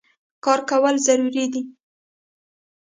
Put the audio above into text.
کار کول ضرور دي